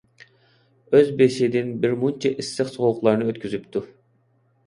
ئۆز بېشىدىن بىرمۇنچە ئىسسىق - سوغۇقلارنى ئۆتكۈزۈپتۇ.